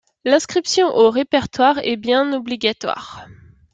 L’inscription au répertoire est bien obligatoire.